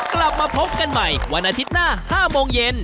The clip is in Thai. กลับมาพบกันใหม่วันอาทิตย์หน้า๕โมงเย็น